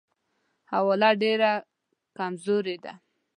حواله ډېره کمزورې ده.